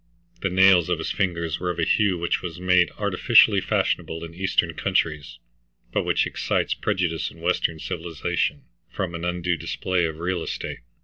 The nails of his fingers were of a hue which is made artificially fashionable in eastern countries, but which excites prejudice in western civilization from an undue display of real estate.